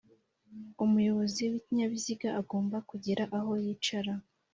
Umuyobozi w’ikinyabiziga agomba kugira aho yicara